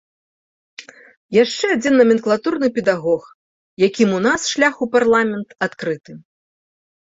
Яшчэ адзін наменклатурны педагог, якім у нас шлях у парламент адкрыты.